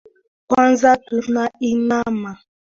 Kwanza tuna inama.